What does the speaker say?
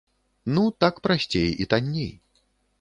Ну, так прасцей і танней.